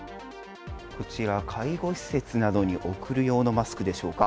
こちら介護施設などに送る用のマスクでしょうか